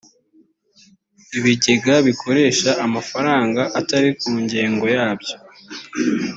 ibigega bikoresha amafaranga atari ku ngengo yabyo